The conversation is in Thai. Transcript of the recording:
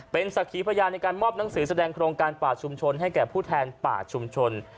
เป็นสักขีพยานในการมอบหนังสือแสดงโครงการป่าชุมชนให้แก่ผู้แทนป่าชุมชน